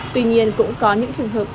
tuy nhiên cũng có những trường hợp